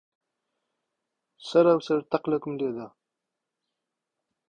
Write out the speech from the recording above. سەرا و سەر تەقلەکم لێ دا.